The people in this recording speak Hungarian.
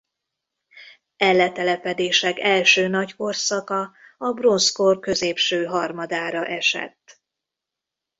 E letelepedések első nagy korszaka a bronzkor középső harmadára esett.